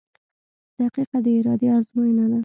• دقیقه د ارادې ازموینه ده.